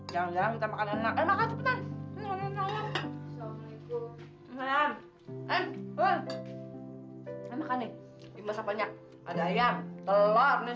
gua akan cair lo